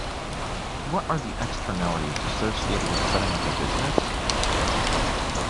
What are the externalities associated with setting up a business?